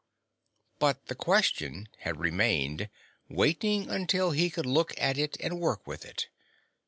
But the question had remained, waiting until he could look at it and work with it.